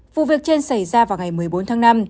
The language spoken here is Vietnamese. vụ việc trên xảy ra vào ngày một mươi bốn tháng năm